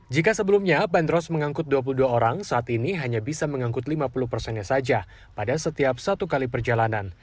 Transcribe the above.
jika sebelumnya bandros mengangkut dua puluh dua orang saat ini hanya bisa mengangkut lima puluh persennya saja pada setiap satu kali perjalanan